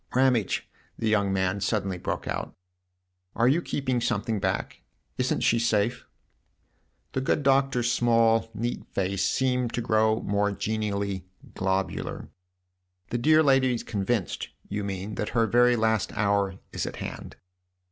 "Ramage," the young man suddenly broke out, " are you keeping something back ? Isn't she safe ?" The good Doctor's small, neat face seemed to grow more genially globular. "The dear lady is convinced, you mean, that her very last hour is at hand